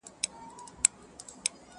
ويل موږ خداى پيدا كړي موږكان يو،